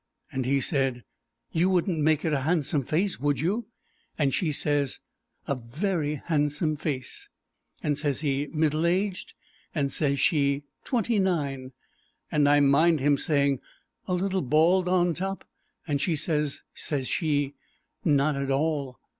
And he said, 'You wouldn't make it a handsome face, would you?' and she says, 'A very handsome face.' And says he, 'Middle aged?' and says she, 'Twenty nine.' And I mind him saying, 'A little bald on the top?' and she says, says she, 'Not at all.'"